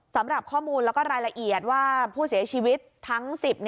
สำหรับข้อมูลแล้วก็รายละเอียดว่าผู้เสียชีวิตทั้ง๑๐